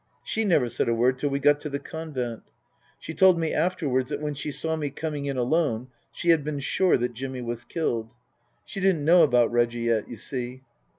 She never said a word till we got to the Convent. (She told me afterwards that when she saw me coming in alone she had been sure that Jimmy was killed. She didn't know about Reggie yet, you see.)